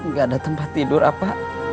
nggak ada tempat tidur apa